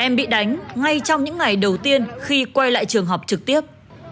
em bị đánh ngay trong những ngày đầu tiên khi quay lại trường học trực tiếp